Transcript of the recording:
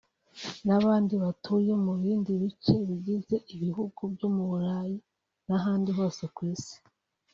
n’abandi batuye mu bindi bice bigize ibihugu byo mu Burayi n’ahandi hose kw’isi